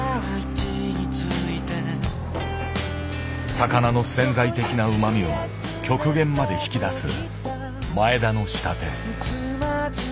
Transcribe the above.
魚の潜在的なうまみを極限まで引き出す前田の仕立て。